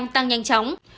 tăng nhanh chóng